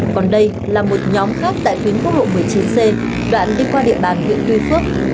còn đây là một nhóm khác tại tuyến quốc lộ một mươi chín c đoạn đi qua địa bàn huyện tuy phước